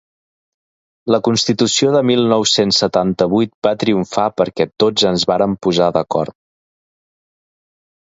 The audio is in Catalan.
La constitució del mil nou-cents setanta-vuit va triomfar perquè tots ens vàrem posar d’acord.